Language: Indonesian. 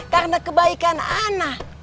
karena kebaikan ana